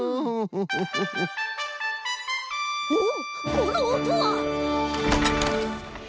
おおこのおとは！